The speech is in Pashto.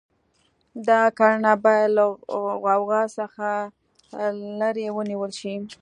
دا کړنه باید له غوغا څخه لرې ونیول شي.